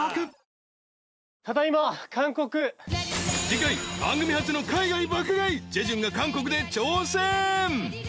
［次回番組初の海外爆買い］［ジェジュンが韓国で挑戦］